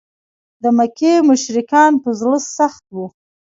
د مکې مشرکان په زړه سخت و.